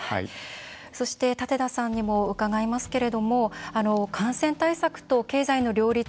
そして、舘田さんにも伺いますけれども感染対策と経済の両立。